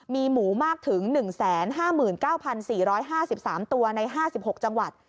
มีหมูมากถึง๑๕๙๔๕๓ตัวใน๕๖จังหวัด